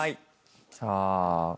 じゃあ。